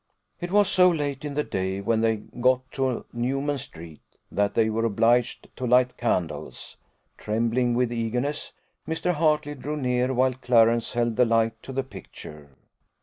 "It was so late in the day when they got to Newman street, that they were obliged to light candles. Trembling with eagerness, Mr. Hartley drew near, while Clarence held the light to the picture.